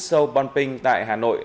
show bonpring tại hà nội